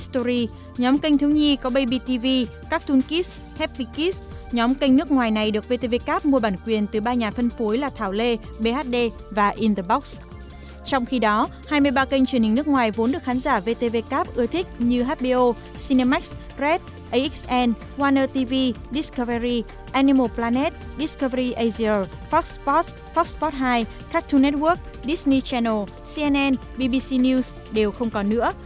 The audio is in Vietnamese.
trong khi đó hai mươi ba kênh truyền hình nước ngoài vốn được khán giả vtvcap ưa thích như hbo cinemax red axn warner tv discovery animal planet discovery asia fox sports fox sports hai cartoon network disney channel cnn bbc news đều không còn nữa